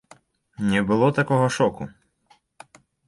Не было такога шоку.